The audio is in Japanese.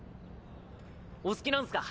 お好きなんスか？